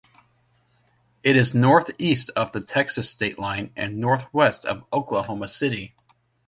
It is northeast of the Texas state line and northwest of Oklahoma City.